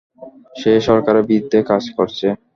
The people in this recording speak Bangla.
সে সরকারের বিরুদ্ধে কাজ করছে।